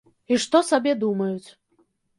І што сабе думаюць.